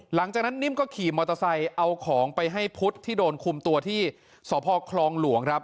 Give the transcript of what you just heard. หลังจากนั้นนิ่มก็ขี่มอเตอร์ไซค์เอาของไปให้พุทธที่โดนคุมตัวที่สพคลองหลวงครับ